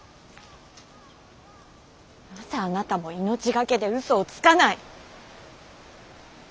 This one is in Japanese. なぜあなたも命懸けで嘘をつかない。